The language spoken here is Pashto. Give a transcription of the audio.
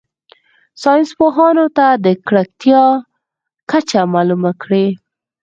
ساینس پوهانو ته د ککړتیا کچه معلومه کړي.